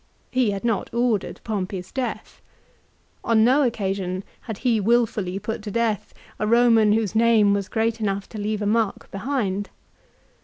He had not ordered Pompey's death. On no occasion had he wilfully put to death a Roman whose name was great enough to leave a mark behind.